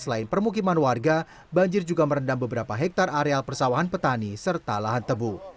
selain permukiman warga banjir juga merendam beberapa hektare areal persawahan petani serta lahan tebu